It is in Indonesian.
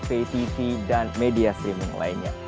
pay tv dan media streaming lainnya